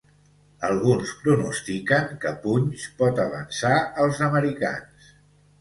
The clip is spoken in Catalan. Alguns pronostiquen que punys pot avançar els americans.